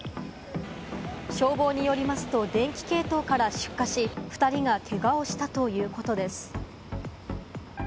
消防によりますと、電気系統から出火し、２人がけがをしたということです。